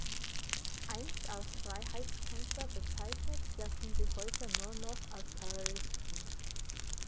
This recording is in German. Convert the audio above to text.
Einst als Freiheitskämpfer bezeichnet, gelten sie heute nur noch als Terroristen.